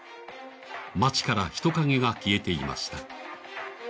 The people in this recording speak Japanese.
街から人影が消えていました。